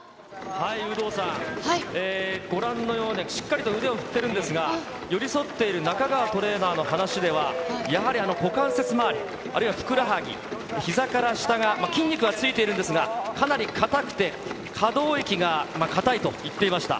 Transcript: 有働さん、ご覧のように、しっかりと腕を振っているんですが、寄り添っている中川トレーナーの話では、やはり股関節まわり、あるいはふくらはぎ、ひざから下が筋肉はついているんですが、かなり硬くて、可動域が硬いと言っていました。